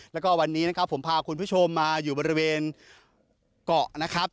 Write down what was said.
แล้วก็วันนี้นะครับผมพาคุณผู้ชมมาอยู่บริเวณเกาะนะครับ